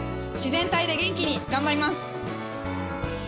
自然体で元気に頑張ります。